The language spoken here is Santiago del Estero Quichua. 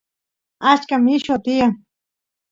achka milluwa tiyan